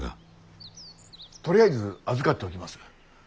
とりあえず預かっておきます。